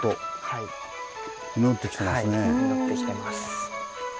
はい実ってきてます。